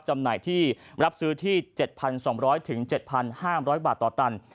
จำหน่ายที่รับซื้อที่๗๒๐๐๗๕๐๐บาทต่อตัน